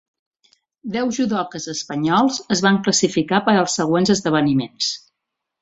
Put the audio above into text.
Deu judokes espanyols es van classificar per als següents esdeveniments.